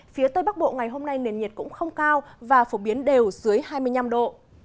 phía tây bắc bộ ngày hôm nay nền nhiệt cũng không cao và phổ biến đều dưới hai mươi năm độ